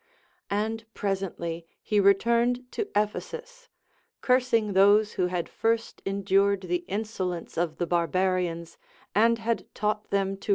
And presently he retarned to Ephesus, cursing those who had first endured the insolence of the barbarians, and had taught them to LACONIC APOPHTHEGMS.